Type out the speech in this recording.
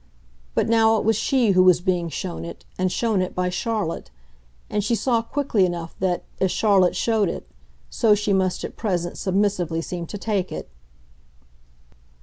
But now it was she who was being shown it, and shown it by Charlotte, and she saw quickly enough that, as Charlotte showed it, so she must at present submissively seem to take it.